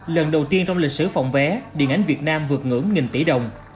lần đầu tiên trong lịch sử phỏng vé điện ảnh việt nam vượt ngưỡng một tỷ đồng